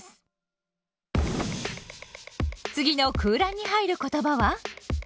次の空欄に入る言葉は？